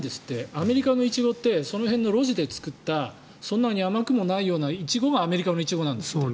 アメリカのイチゴってその辺の路地で作ったそんなに甘くもないようなイチゴがアメリカのイチゴなんですって。